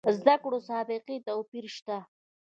زده کړو سابقې توپیر شته.